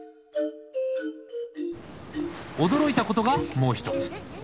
驚いたことがもう一つ。